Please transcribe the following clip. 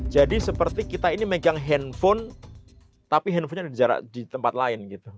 jadi seperti kita ini megang handphone tapi handphonenya ada di tempat lain